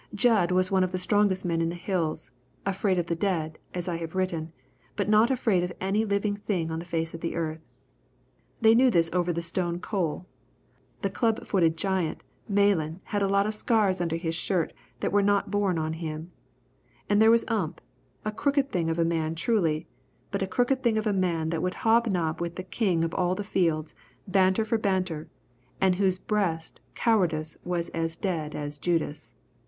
Jud was one of the strongest men in the Hills, afraid of the dead, as I have written, but not afraid of any living thing on the face of the earth. They knew this over the Stone Coal; the club footed giant Malan had a lot of scars under his shirt that were not born on him. And there was Ump, a crooked thing of a man truly, but a crooked thing of a man that would hobnob with the king of all the fiends, banter for banter, and in whose breast cowardice was as dead as Judas.